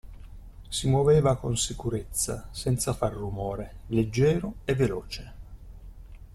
Si muoveva con sicurezza, senza far rumore, leggero e veloce.